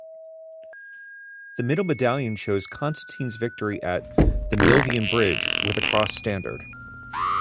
The middle medallion shows Constantine's victory at the Milvian bridge, with a cross standard.